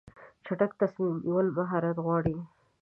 چټک تصمیم نیول مهارت غواړي.